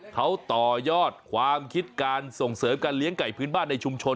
เขาต่อยอดความคิดการส่งเสริมการเลี้ยงไก่พื้นบ้านในชุมชน